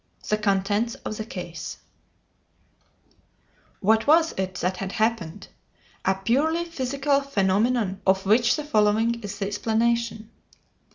THE CONTENTS OF THE CASE What was it that had happened? A purely physical phenomenon, of which the following is the explanation.